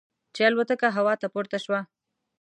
چې الوتکه هوا ته پورته شوه.